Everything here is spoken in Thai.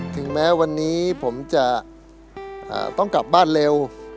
ถึงแม้วันนี้ผมจะต้องกลับบ้านเร็ว